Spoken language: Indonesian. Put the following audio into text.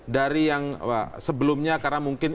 dari yang sebelumnya karena mungkin